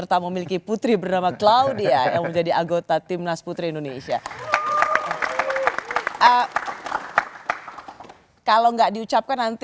takut dicek lewat far ya